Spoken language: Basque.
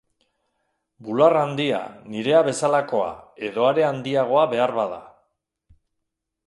Bular handia, nirea bezalakoa, edo are handiagoa beharbada.